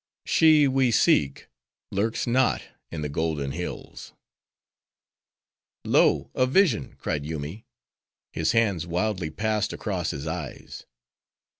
—she we seek, lurks not in the Golden Hills!" "Lo, a vision!" cried Yoomy, his hands wildly passed across his eyes.